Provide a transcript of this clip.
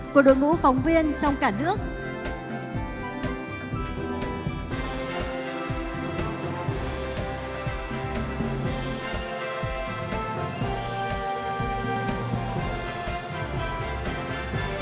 của đội ngũ phóng viên trong cả nước